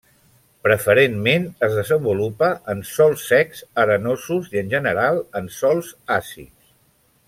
Preferentment es desenvolupa en sòls secs, arenosos i en general en sòls àcids.